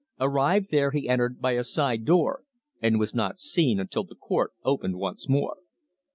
Arrived there he entered by a side door, and was not seen until the court opened once more.